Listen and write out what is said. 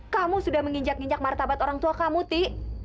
kamu sudah menginjak injak martabat orang tua kamu ti